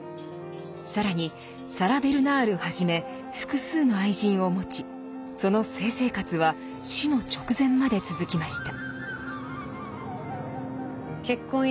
更にサラ・ベルナールはじめ複数の愛人をもちその性生活は死の直前まで続きました。